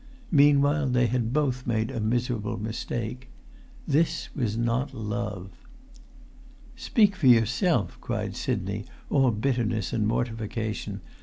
Meanwhile they had both made a miserable mistake. This was not love. "Speak for yourself," cried Sidney, all bitterness and mortification.